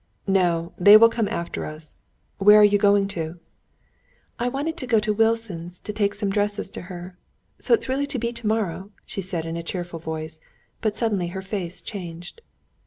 "No, they will come after us. Where are you going to?" "I wanted to go to Wilson's to take some dresses to her. So it's really to be tomorrow?" she said in a cheerful voice; but suddenly her face changed.